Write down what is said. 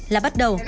là bắt đầu